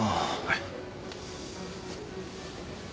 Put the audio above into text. はい。